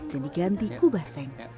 dan diganti kubah seng